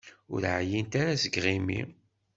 Ur εyint ara seg yiɣimi?